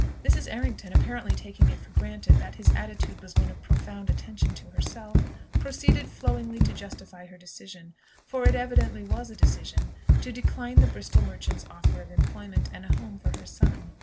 Mrs. Errington, apparently taking it for granted that his attitude was one of profound attention to herself, proceeded flowingly to justify her decision, for it evidently was a decision to decline the Bristol merchant's offer of employment and a home for her son.